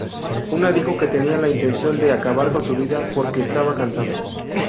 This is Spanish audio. Una dijo que tenía la intención de acabar con su vida porque estaba cansada.